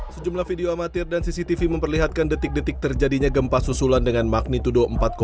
sejumlah video amatir dan cctv memperlihatkan detik detik terjadinya gempa susulan dengan magnitudo empat